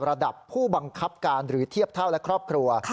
ระดับผู้บังคับการหรือเทียบเท่าและครอบครัว